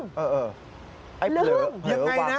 ยังไงนะ